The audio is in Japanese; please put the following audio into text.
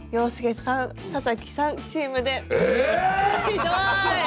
ひどい。